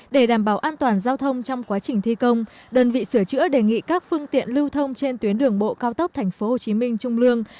để đảm bảo an toàn giao thông trong quá trình thi công đơn vị sửa chữa đề nghị các phương tiện lưu thông trên tuyến đường bộ cao tốc tp hcm trung lương